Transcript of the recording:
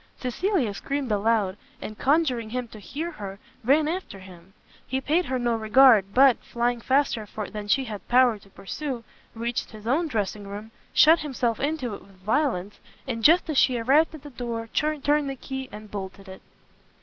Cecilia screamed aloud, and conjuring him to hear her, ran after him; he paid her no regard, but, flying faster than she had power to pursue, reached his own dressing room, shut himself into it with violence, and just as she arrived at the door, turned the key, and bolted it.